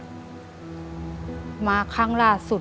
อเรนนี่นี่คือเหตุการณ์เริ่มต้นหลอนช่วงแรกแล้วมีอะไรอีก